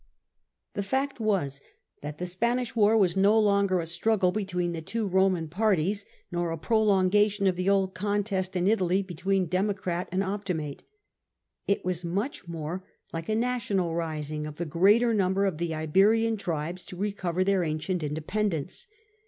The fact was that the Spanish war was no longer a struggle between the two Eoman parties, nor a prolonga tion of the old contest in Italy between Democrat and Optimate, It was much more like a national rising of the greater number of the Iberian tribes to recover their ancient independence.